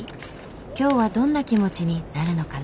今日はどんな気持ちになるのかな。